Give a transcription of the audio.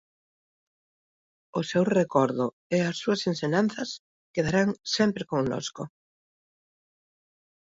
O seu recordo e as súas ensinanzas quedarán sempre connosco.